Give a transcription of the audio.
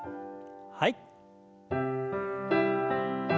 はい。